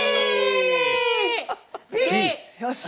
よし。